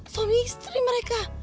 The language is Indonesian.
suami istri mereka